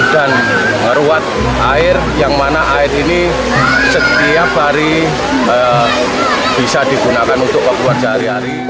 dan ruat air yang mana air ini setiap hari bisa digunakan untuk pekuat sehari hari